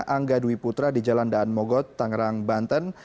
angga dwi putra di jalan daan mogot tangerang banten